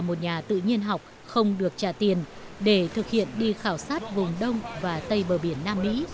trong đó charles darwin tự nhiên học không được trả tiền để thực hiện đi khảo sát vùng đông và tây bờ biển nam mỹ